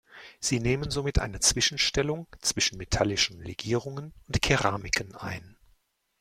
Sie nehmen somit eine Zwischenstellung zwischen metallischen Legierungen und Keramiken ein.